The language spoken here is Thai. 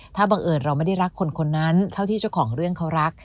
ถ้าบังเอิญเราไม่ได้รักคนคนนั้นเท่าที่เจ้าของเรื่องเขารัก